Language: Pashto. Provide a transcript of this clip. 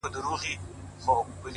پرمختګ له زړورتیا ځواک اخلي